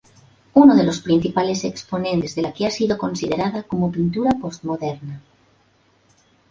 Uno de los principales exponentes de la que ha sido considerada como pintura postmoderna.